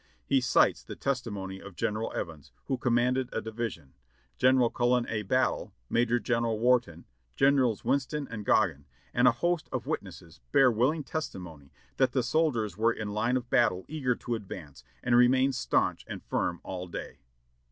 He cites the testimony of General Evans, who com manded a division; General Cullen A. Battle, Major General Wharton, Generals AMnston and Goggin, and a host of witnesses bear willing testimony that the soldiers were in line of battle eager to advance, and remained staunch and firm all day.